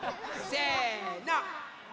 せの！